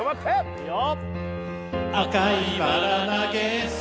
いいよ！